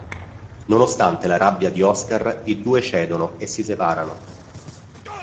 Nonostante la rabbia di Oscar, i due cedono e si separano.